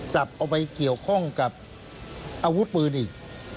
กลับเอาไปเกี่ยวข้องกับอาวุธปืนอีก